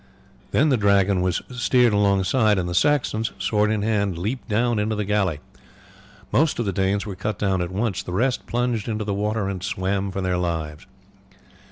Then the Dragon was steered alongside, and the Saxons, sword in hand, leaped down into the galley. Most of the Danes were cut down at once; the rest plunged into the water and swam for their lives.